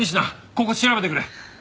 ここ調べてくれ！